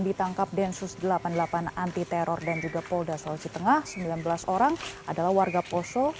ditangkap densus delapan puluh delapan anti teror dan juga polda sulawesi tengah sembilan belas orang adalah warga poso